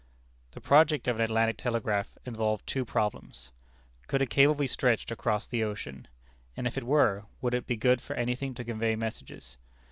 The project of an Atlantic telegraph involved two problems: Could a cable be stretched across the ocean? and if it were, would it be good for anything to convey messages?